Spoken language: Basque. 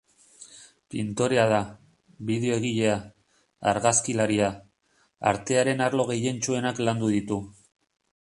Pintorea da, bideo-egilea, argazkilaria... artearen arlo gehientsuenak landu ditu.